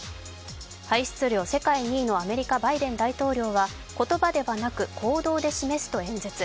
排出量世界２位のアメリカバイデン大統領は言葉ではなく行動で示すと演説。